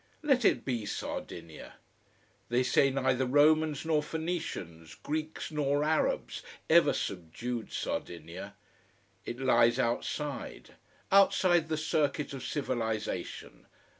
Let it be Sardinia. They say neither Romans nor Phoenicians, Greeks nor Arabs ever subdued Sardinia. It lies outside; outside the circuit of civilisation.